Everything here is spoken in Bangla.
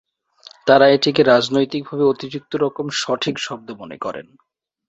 তারা এটিকে রাজনৈতিকভাবে অতিরিক্ত রকম সঠিক শব্দ মনে করেন।